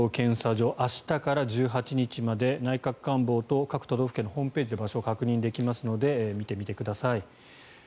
無料の検査所明日から１８日まで内閣官房と各都道府県のホームページで確認できるので見てみてください。